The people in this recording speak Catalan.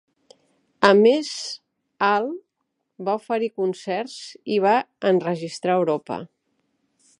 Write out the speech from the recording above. A més el, va oferir concerts i va enregistrar a Europa.